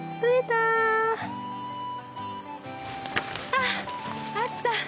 あっあった！